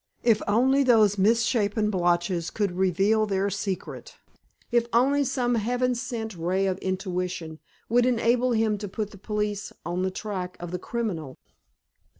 If only those misshapen blotches could reveal their secret! If only some Heaven sent ray of intuition would enable him to put the police on the track of the criminal!